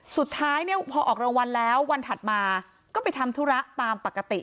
สุดท้ายเนี่ยพอออกรางวัลแล้ววันถัดมาก็ไปทำธุระตามปกติ